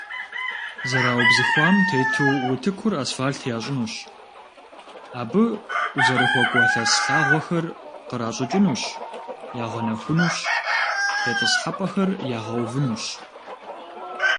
Зэраубзыхуам тету утыкур асфальт ящӀынущ, абы узэрыхуэкӀуэ лъэс лъагъуэхэр къращӀыкӀынущ, ягъэнэхунущ, тетӀысхьэпӀэхэр ягъэувынущ.